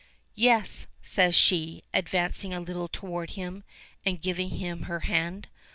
"Yes," says she, advancing a little toward him and giving him her hand.